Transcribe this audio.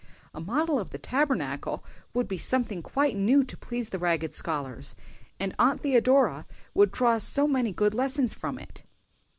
A model of the Tabernacle would be something quite new to please the ragged scholars, and Aunt Theodora would draw so many good lessons from it."